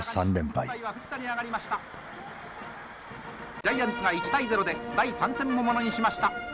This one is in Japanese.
ジャイアンツが１対０で第３戦もものにしました。